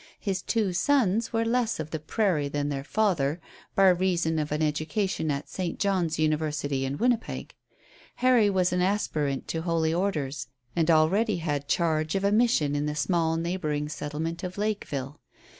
His two sons were less of the prairie than their father, by reason of an education at St. John's University in Winnipeg. Harry was an aspirant to Holy Orders, and already had charge of a mission in the small neighbouring settlement of Lakeville.